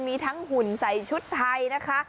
มีทั้งหุ่นใส่ชุดไทยนะคะ